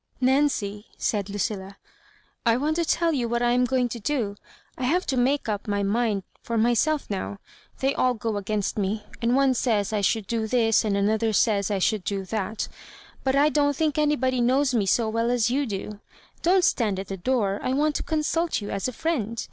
"Nancy," said Lucilla, "I want to tell you what I am going to do. I have to make up my mind for myself now. They all go against me, and one says I should do this and another says I should do that; but I don't think anybody knows me so well as you do. Don't stand at the door. I want to consult you as a friend.